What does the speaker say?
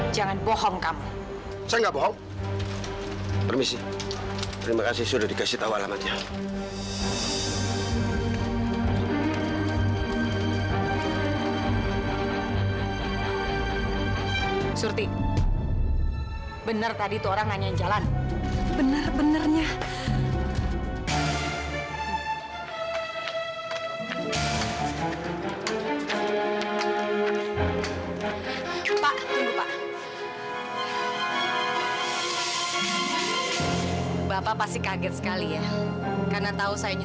sampai jumpa di video selanjutnya